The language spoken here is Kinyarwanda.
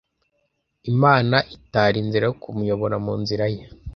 Imana itara inzira yo kumuyobora munzira ye.